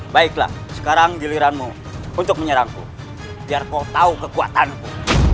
baiklah sekarang giliranmu untuk menyerangku biar kau tahu kekuatanku